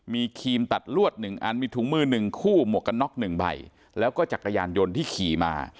มีครีมตัดลวด๑อันมีถุงมือ๑คู่หมวกกันน็อก๑ใบแล้วก็จักรยานยนต์ที่ขี่มา